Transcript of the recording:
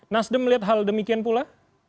nasdem melihat hal demikian pula